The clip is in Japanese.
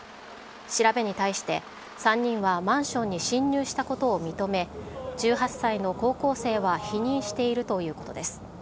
調べに対して、３人はマンションに侵入したことを認め、１８歳の高校生は否認しているということです。